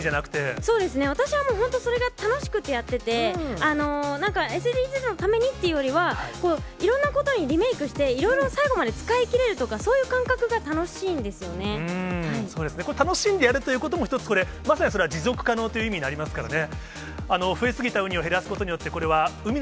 そうですね、私はもう本当にそれが楽しくてやってて、なんかＳＤＧｓのためにっていうよりは、いろんなことにリメークして、いろいろ最後まで使いきれるとか、そういう感覚が楽しいんこれ、楽しんでやるということも一つこれ、まさにそれは持続可能という意味になりますからね。